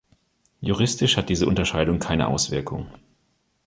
Juristisch hat diese Unterscheidung keine Auswirkung.